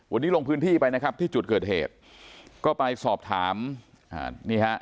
วันนี้ลงพื้นที่ไปนะครับที่จุดเกิดเหตุก็ไปสอบถามอ่านี่ฮะ